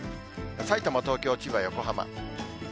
さいたま、東京、千葉、横浜。